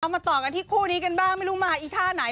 มาต่อกันที่คู่นี้กันบ้างไม่รู้มาอีท่าไหน